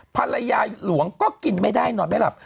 ภรรยาหลวงก็กินไม่ได้นอนไม่หลับ